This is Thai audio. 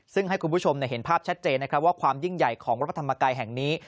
ซึ่งให้คุณผู้ชมเห็นภาพชัดเจนนะครับว่าความยิ่งใหญ่ของวัดพระธรรมกายแห่งนี้